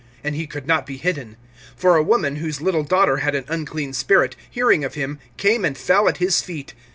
And he could not be hidden. (25)For a woman, whose little daughter had an unclean spirit, hearing of him, came and fell at his feet.